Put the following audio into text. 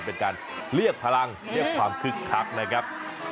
เป็นการเรียกพลังเรียกความคึกคักนะครับ